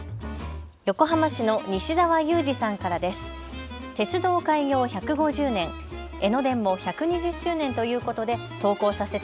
横浜市の西澤優治さんからです。